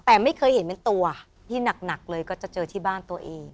แต่ไม่เคยเห็นเป็นตัวที่หนักเลยก็จะเจอที่บ้านตัวเอง